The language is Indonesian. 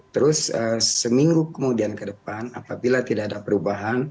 terus seminggu kemudian ke depan apabila tidak ada perubahan